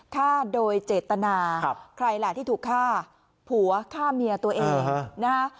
ฆ่าโดยเจตนาใครล่ะที่ถูกฆ่าผัวฆ่าเมียตัวเองนะฮะ